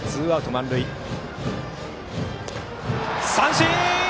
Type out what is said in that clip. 三振！